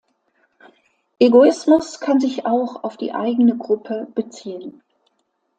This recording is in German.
Egoismus kann sich auch auf die eigene Gruppe beziehen.